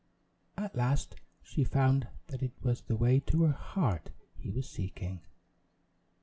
At last she found that it was the way to her heart he was seeking.